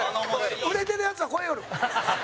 売れてるヤツは超えよる。